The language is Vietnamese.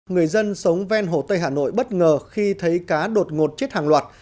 người dân sống ven hồ tây hà nội bất ngờ khi thấy cá đột ngột chết hàng loạt